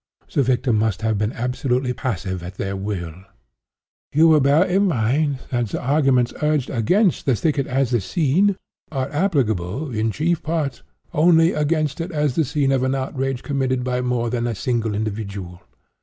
The victim must have been absolutely passive at their will. You will here bear in mind that the arguments urged against the thicket as the scene, are applicable in chief part, only against it as the scene of an outrage committed by more than a single individual.